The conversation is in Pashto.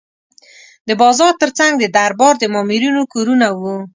د بازار ترڅنګ د دربار د مامورینو کورونه وو.